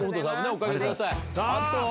おかけください。